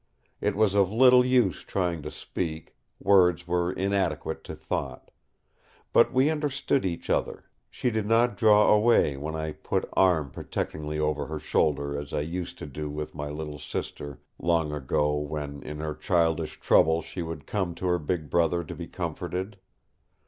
It was of little use trying to speak; words were inadequate to thought. But we understood each other; she did not draw away when I put arm protectingly over her shoulder as I used to do with my little sister long ago when in her childish trouble she would come to her big brother to be comforted.